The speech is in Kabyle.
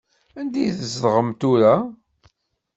Anda i tzedɣem tura?